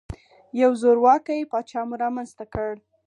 یو زورواکۍ پاچا مو رامنځته کړ.